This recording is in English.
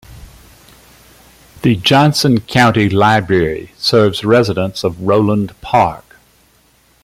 The Johnson County Library serves residents of Roeland Park.